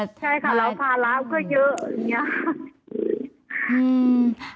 ใช่ค่ะเราพาร้าเพื่อเยอะอย่างนี้